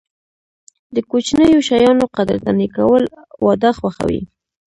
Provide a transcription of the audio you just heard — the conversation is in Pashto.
د کوچنیو شیانو قدرداني کول، واده خوښوي.